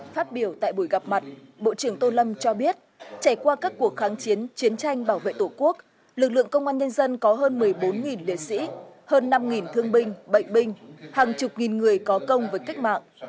phát biểu tại buổi gặp mặt bộ trưởng tô lâm cho biết trải qua các cuộc kháng chiến chiến tranh bảo vệ tổ quốc lực lượng công an nhân dân có hơn một mươi bốn liệt sĩ hơn năm thương binh bệnh binh hàng chục nghìn người có công với cách mạng